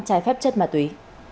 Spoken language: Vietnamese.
trái phép chất ma túy